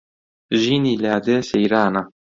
ژینی لادێ سەیرانە